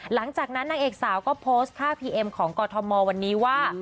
หลังจากนั้นนางเอกสาวก็โพสต์ค่าพีเอ็มของกอทมวันนี้ว่า